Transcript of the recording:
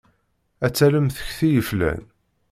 Ad talem tekti yeflan.